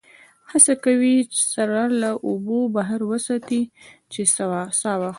هڅه کوي سر له اوبو بهر وساتي چې سا واخلي.